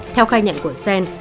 theo khai nhận của sen